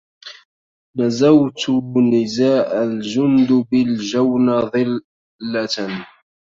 نزوت نزاء الجندب الجون ضلة